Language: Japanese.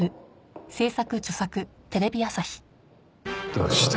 どうして？